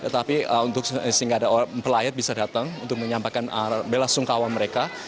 tapi untuk sehingga ada pelayat bisa datang untuk menyampaikan bela sungkawa mereka